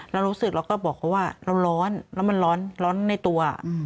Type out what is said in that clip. เรารู้สึกเราก็บอกเขาว่าเราร้อนแล้วมันร้อนในตัว